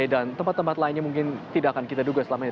dan tempat tempat lainnya mungkin tidak akan kita duga selamanya